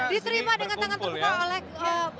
diterima dengan tangan terbuka oleh